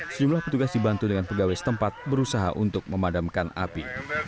sejumlah petugas dibantu dengan pegawai setempat berusaha untuk memadamkan api